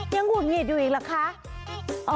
ยังหงุ่นหงิดอยู่อีกหรอคะ